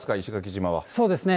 そうですね。